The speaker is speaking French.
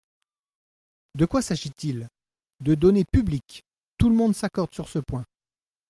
De quoi s’agit-il ? De données publiques – tout le monde s’accorde sur ce point.